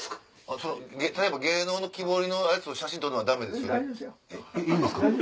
例えば芸能の木彫りのやつを写真撮るのはダメですよね？